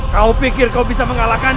kau pikir kau bisa mengalahkan